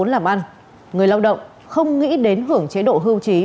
làm ăn người lao động không nghĩ đến hưởng chế độ hưu trí